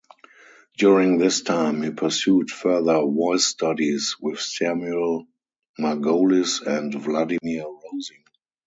During this time he pursued further voice studies with Samuel Margolis and Vladimir Rosing.